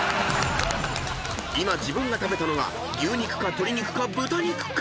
［今自分が食べたのが牛肉か鶏肉か豚肉か］